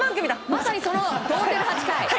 まさにその同点の８回。